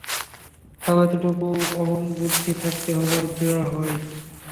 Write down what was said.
তাও এতটুকু অহংবুদ্ধি থাকতে হবার যো নেই।